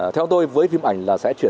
theo tôi với phim ảnh là sẽ